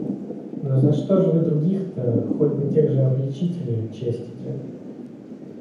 Но за что же вы других-то, хоть бы тех же обличителей, честите?